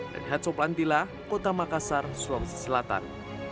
renhat soplantila kota makassar sulawesi selatan